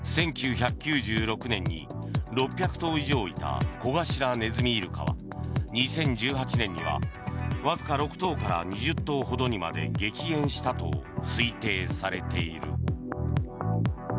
１９９６年に６００頭以上いたコガシラネズミイルカは２０１８年にはわずか６頭から２０頭ほどにまで激減したと推定されている。